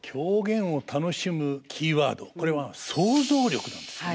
これは想像力なんですね。